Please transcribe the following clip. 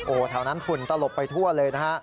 โอ้โหแถวนั้นฝุ่นตลบไปทั่วเลยนะฮะ